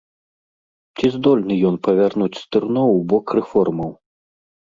Ці здольны ён павярнуць стырно ў бок рэформаў?